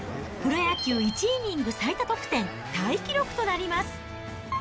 プロ野球１イニング最多得点タイ記録となります。